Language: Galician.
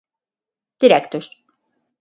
Directos.